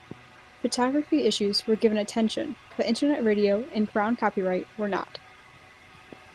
Photography issues were given attention but Internet radio and Crown copyright were not.